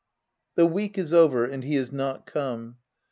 The week is over, and he is not come.